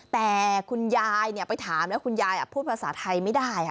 แต่คุณยายไปถามแล้วคุณยายพูดภาษาไทยไม่ได้